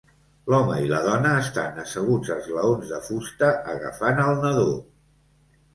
L"home y la dona estan asseguts a esglaons de fusta agafant el nadó.